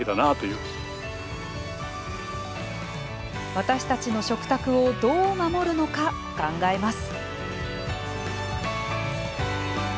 私たちの食卓をどう守るのか、考えます。